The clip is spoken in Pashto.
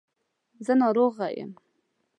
زه ناروغه یم .